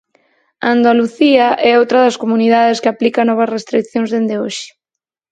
Andalucía é outra das comunidades que aplica novas restricións dende hoxe.